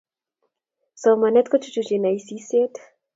somanet kochuchuchi naisiet